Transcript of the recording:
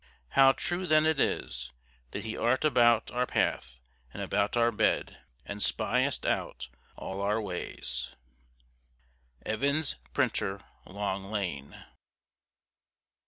How true then it is, that He art about our path, and about our bed, and spiest out all our ways! Evans, Printer, Long Lane.